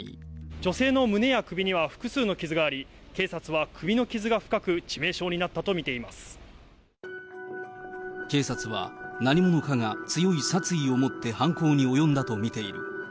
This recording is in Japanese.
女性の胸や首には複数の傷があり、警察は首の傷が深く、警察は、何者かが強い殺意を持って犯行に及んだと見ている。